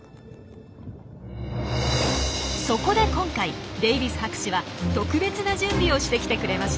そこで今回デイビス博士は特別な準備をしてきてくれました。